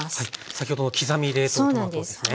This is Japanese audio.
先ほどの刻み冷凍トマトですね。